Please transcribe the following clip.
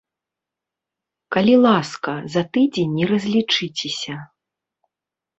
Калі ласка, за тыдзень і разлічыцеся.